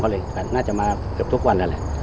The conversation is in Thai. เขาเลยน่าจะมาเกือบทุกวัน